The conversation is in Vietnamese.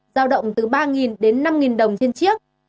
giao động từ ba đến năm đồng trên chiếc